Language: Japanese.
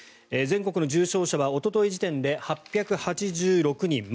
全国の重症者はおととい時点で８８６人。